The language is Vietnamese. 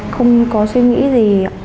không có suy nghĩ gì ạ